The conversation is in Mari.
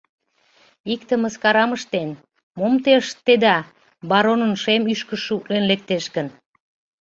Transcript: Икте мыскарам ыштен: «Мом те ыштеда — баронын шем ӱшкыжшӧ утлен лектеш гын?».